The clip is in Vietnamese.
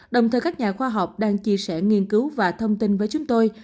đồng thời các nhà khoa học đang chia sẻ nghiên cứu và thông tin với chúng tôi